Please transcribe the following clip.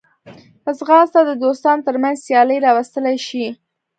ځغاسته د دوستانو ترمنځ سیالي راوستلی شي